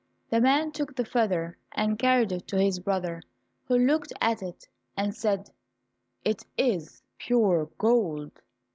The man took the feather and carried it to his brother, who looked at it and said, "It is pure gold!"